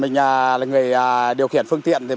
mình là người điều khiển phương tiện